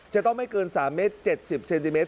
จะต้องไม่เกิน๓เมตร๗๐เซนติเมต